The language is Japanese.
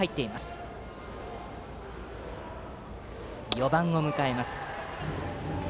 ４番を迎えます。